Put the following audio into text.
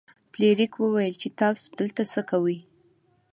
فلیریک وویل چې تاسو دلته څه کوئ.